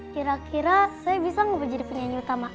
kira kira saya bisa menjadi penyanyi utama